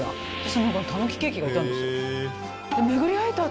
その中にたぬきケーキがいたんですよ